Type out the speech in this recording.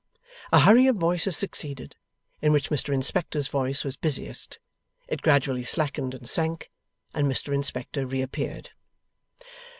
A hurry of voices succeeded, in which Mr Inspector's voice was busiest; it gradually slackened and sank; and Mr Inspector reappeared.